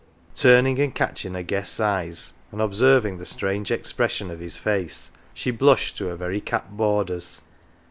Turning and catching her guest's eyes, and observing the strange expression of his face, she blushed to her very cap borders.